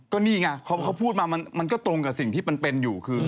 ก็นี่ไงเขาพูดมามันก็ตรงกับสิ่งที่มันเป็นอยู่คือ